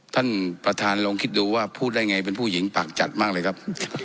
ท่านประธานลองคิดดูว่าพูดได้ไงเป็นผู้หญิงปากจัดมากเลยครับ